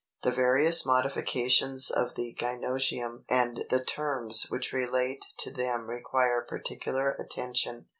The various modifications of the gynœcium and the terms which relate to them require particular attention.